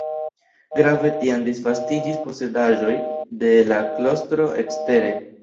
Grave tiam disvastiĝis posedaĵoj de la klostro ekstere.